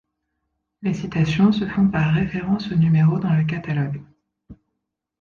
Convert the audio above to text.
Les citations se font par référence au numéro dans le catalogue.